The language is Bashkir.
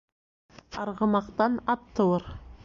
Арғымаҡтан ат тыуыр